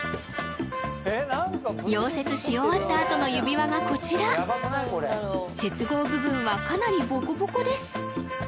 溶接し終わったあとの指輪がこちら接合部分はかなりボコボコです